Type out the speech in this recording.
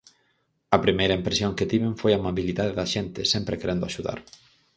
A primeira impresión que tiven foi a amabilidade da xente, sempre querendo axudar.